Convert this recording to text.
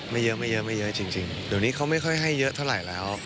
ไม่เยอะจริงเดี๋ยวนี้เขาไม่ค่อยให้เยอะเท่าไหร่แล้ว